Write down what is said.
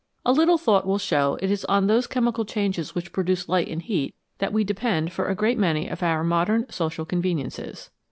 A little thought will show it is on those chemical changes which produce light and heat that we depend for a great many of our modern social conveniences.